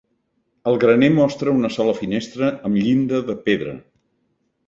El graner mostra una sola finestra amb llinda de pedra.